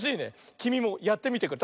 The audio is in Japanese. きみもやってみてくれ。